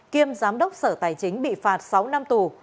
kiêm giám đốc sở tài chính bị phạt sáu năm tù